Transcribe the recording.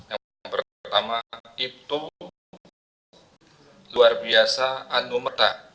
yang pertama ibtu luar biasa anumerta